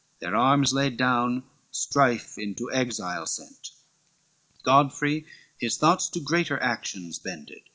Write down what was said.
Their arms laid down, strife into exile sent. Godfrey his thoughts to greater actions bended.